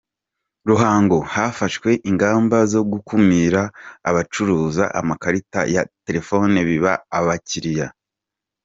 Ruhango Hafashwe ingamba zo gukumira abacuruza amakarita ya ya telefone biba abakiriya